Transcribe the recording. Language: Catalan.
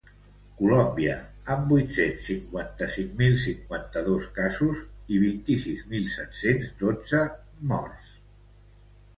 Colòmbia, amb vuit-cents cinquanta-cinc mil cinquanta-dos casos i vint-i-sis mil set-cents dotze morts.